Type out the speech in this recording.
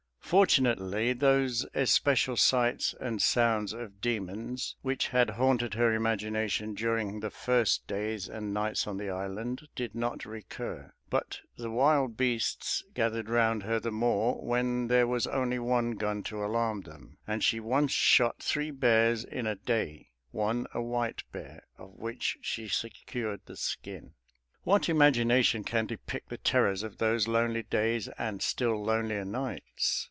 Fortunately, those especial sights and sounds of demons which had haunted her imagination during the first days and nights on the island, did not recur; but the wild beasts gathered round her the more when there was only one gun to alarm them; and she once shot three bears in a day, one a white bear, of which she secured the skin. What imagination can depict the terrors of those lonely days and still lonelier nights?